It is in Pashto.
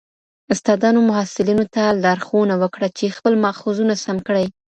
استادانو محصلینو ته لارښوونه وکړه چي خپل ماخذونه سم کړي.